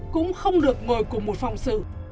cũng không được ngồi cùng một phòng xử